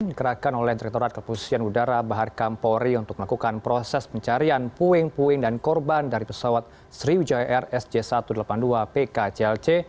dikerahkan oleh direkturat kepusian udara bahar kampori untuk melakukan proses pencarian puing puing dan korban dari pesawat sriwijaya rsj satu ratus delapan puluh dua pk clc